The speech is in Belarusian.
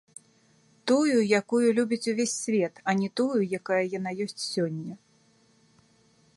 Тую, якую любіць увесь свет, а не тую, якая яна ёсць сёння.